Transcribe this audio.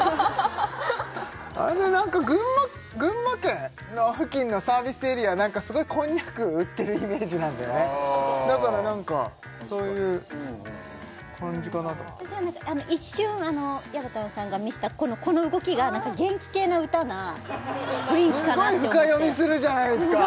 なんか群馬県の付近のサービスエリアすごいこんにゃく売ってるイメージなんだよねだからなんかそういう感じかなと私はね一瞬やばたんさんが見せたこの動きが元気系な歌な雰囲気かなと思ってずいぶん深読みするじゃないですか